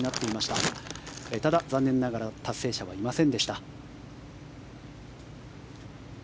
ただ、残念ながら達成者はいませんでした。